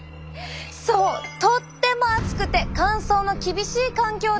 そうとっても暑くて乾燥の厳しい環境だったんです。